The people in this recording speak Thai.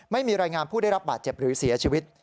ไม่มีรายงานผู้ได้รับบาดเจ็บหรือเสียชีวิต